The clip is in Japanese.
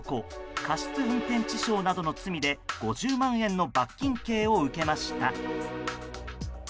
過失運転致傷などの罪で５０万円の罰金刑を受けました。